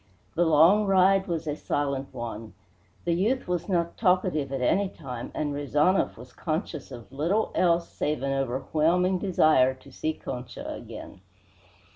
The long ride was a silent one. The youth was not talkative at any time, and Rezanov was conscious of little else save an overwhelming desire to see Concha again.